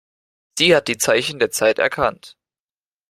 Sie hat die Zeichen der Zeit erkannt.